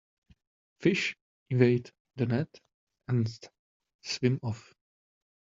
Fish evade the net and swim off.